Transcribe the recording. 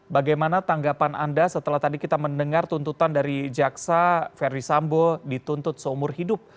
bagaimana tanggapan anda setelah tadi kita mendengar tuntutan dari jaksa ferdi sambo dituntut seumur hidup